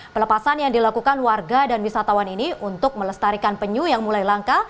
pelepasan yang dilakukan warga dan wisatawan ini untuk melestarikan penyu yang mulai langka